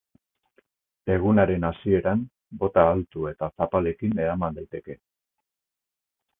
Egunaren hasieran, bota altu eta zapalekin eraman daiteke.